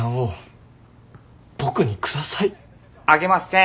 あげません。